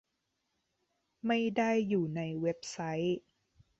ไม่ได้อยู่ในเว็บไซต์